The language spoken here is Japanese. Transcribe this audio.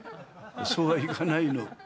「そうはいかないの。